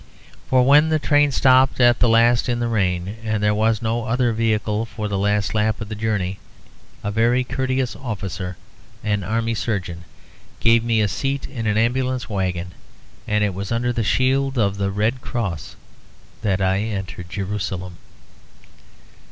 For when the train stopped at last in the rain, and there was no other vehicle for the last lap of the journey, a very courteous officer, an army surgeon, gave me a seat in an ambulance wagon; and it was under the shield of the red cross that I entered Jerusalem.